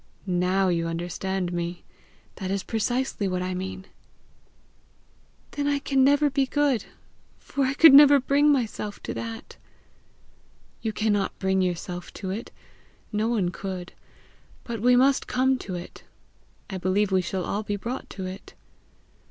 "Now you understand me! That is precisely what I mean." "Then I can never be good, for I could never bring myself to that!" "You cannot bring yourself to it; no one could. But we must come to it. I believe we shall all be brought to it."